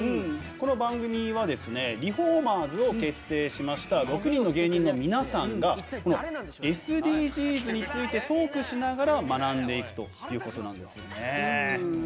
この番組はリフォーマーズを結成しました６人の芸人の皆さんがＳＤＧｓについてトークしながら学んでいくということなんですよね。